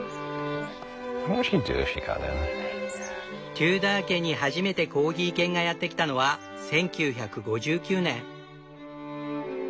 テューダー家に初めてコーギー犬がやってきたのは１９５９年。